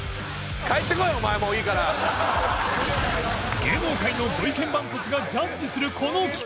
芸能界のご意見番たちがジャッジするこの企画！